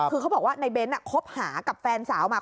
คือเขาบอกว่าในเบ้นคบหากับแฟนสาวมา